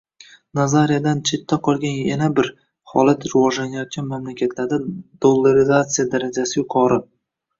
Nazariyadan chetda qolgan yana bir holat rivojlanayotgan mamlakatlarda"Dollarizatsiya" darajasi yuqori